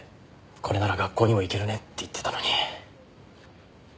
これなら学校にも行けるねって言ってたのに。